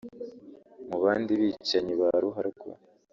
Mu bandi bicanyi ba ruharwa